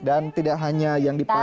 dan tidak hanya yang dipakai